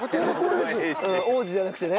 うん王子じゃなくてね